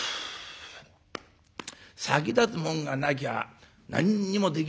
「先立つもんがなきゃ何にもできねえけどもね。